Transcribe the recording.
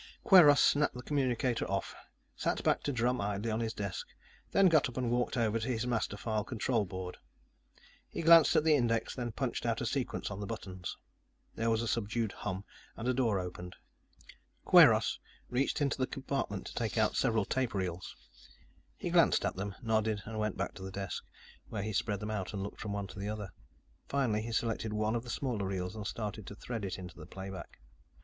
Kweiros snapped the communicator off, sat back to drum idly on his desk, then got up and walked over to his master file control board. He glanced at the index, then punched out a sequence on the buttons. There was a subdued hum and a door opened. Kweiros reached into the compartment, to take out several tape reels. He glanced at them, nodded, and went back to the desk, where he spread them out and looked from one to another. Finally, he selected one of the smaller reels and started to thread it into the playback.